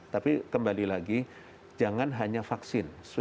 tapi kembali lagi jangan hanya vaksin